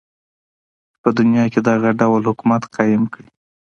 چی په دنیا کی دغه ډول حکومت قایم کړی.